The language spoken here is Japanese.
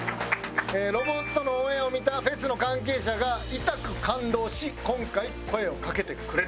『ロボット』のオンエアを見たフェスの関係者がいたく感動し今回声をかけてくれたと。